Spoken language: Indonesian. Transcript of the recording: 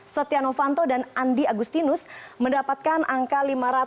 setia novanto dan andi agustinus mendapatkan angka lima ratus tujuh puluh empat dua miliar rupiah